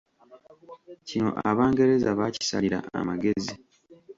Kino Abangereza baakisalira amagezi.